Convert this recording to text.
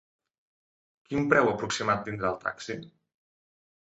Quin preu aproximat tindrà el taxi?